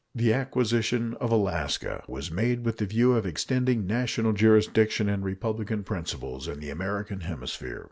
The acquisition of Alaska was made with the view of extending national jurisdiction and republican principles in the American hemisphere.